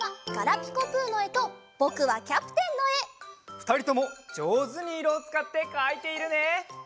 ふたりともじょうずにいろをつかってかいているね！